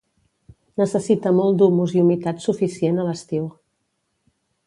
Necessita molt d'humus i humitat suficient a l'estiu.